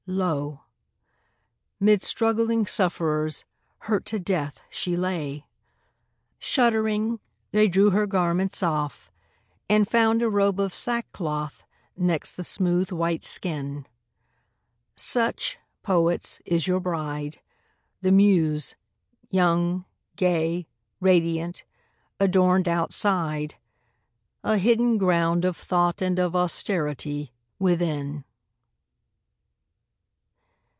Lo, Mid struggling sufferers, hurt to death, she lay! Shuddering, they drew her garments off and found A robe of sackcloth next the smooth, white skin. Such, poets, is your bride, the Muse! young, gay, Radiant, adorned outside; a hidden ground Of thought and of austerity within.